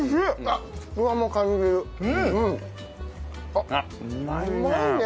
あっうまいね。